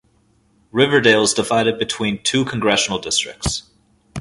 Riverdale is divided between two congressional districts.